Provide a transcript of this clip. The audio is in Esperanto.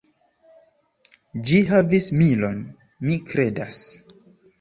Ĝi havis milon, mi kredas.